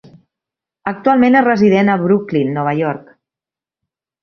Actualment és resident de Brooklyn, Nova York.